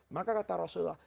maka kata rasulullah